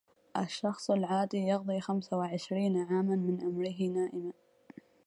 الشخص العادي يقضي خمسة وعشرين عاماً من عمره نائماً.